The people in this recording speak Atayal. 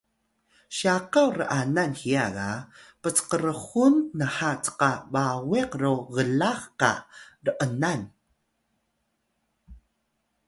syakaw r’anan hiya ga pcqrxun nha cqa bawiq ro glax qa r’anan